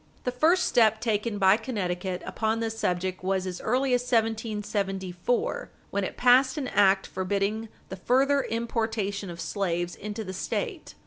The first step taken by Connecticut upon this subject was as early as 1774, wen it passed an act forbidding the further importation of slaves into the State.